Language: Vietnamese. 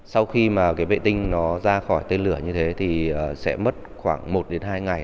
sau khi mà cái vệ tinh nó ra khỏi tên lửa như thế thì sẽ mất khoảng một đến hai ngày